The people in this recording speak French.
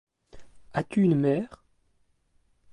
As-tu une mère?